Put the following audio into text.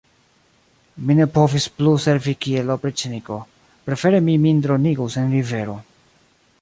Mi ne povis plu servi kiel opriĉniko: prefere mi min dronigus en rivero.